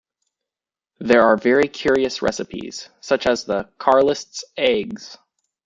There are very curious recipes such as the Carlists eggs.